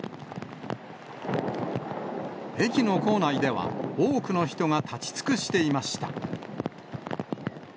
駅の構内では、多くの人が立ち尽くしていました。